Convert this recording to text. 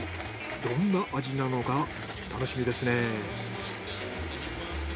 どんな味なのか楽しみですね。